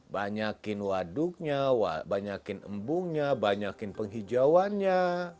banyakin waduknya banyakin embungnya banyakin penghijauannya